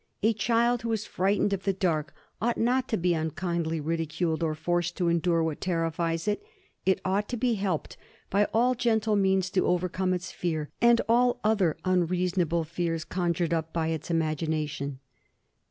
A child who is frightened of the dark ought not to be unkindly ridiculed or forced to endure what terrifies it; it ought to be helped by all gentle means to overcome its fear, and all other unreasonable fears conjured up by its imagination.